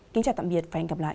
kính chào tạm biệt và hẹn gặp lại